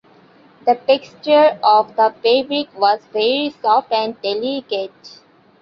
The texture of the fabric was very soft and delicate.